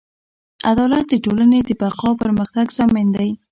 عدالت د ټولنې د بقا او پرمختګ ضامن دی.